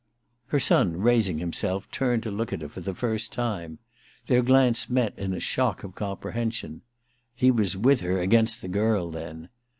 Her son, raising himself, turned to look at her for the first time. Their glance met in a shock of comprehen^on. He was with her against the girl, then